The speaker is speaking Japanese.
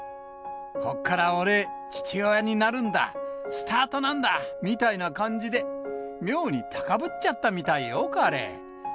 こっから俺、父親になるんだ、スタートなんだみたいな感じで、妙に高ぶっちゃったみたいよ、彼。